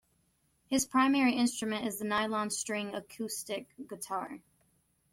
His primary instrument is the nylon-string acoustic guitar.